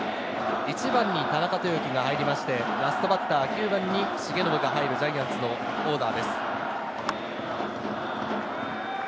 １番に田中豊樹が入りまして、ラストバッター、９番に重信が入るジャイアンツのオーダーです。